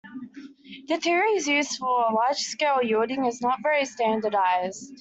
The theories used for large scale yielding is not very standardized.